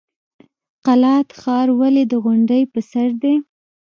قلات ښار ولې د غونډۍ په سر دی؟